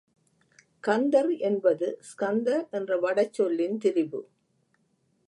கந்தர் என்பது ஸ்கந்த என்ற வடச் சொல்லின் திரிபு.